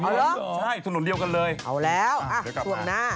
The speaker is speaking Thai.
เอาเหรอ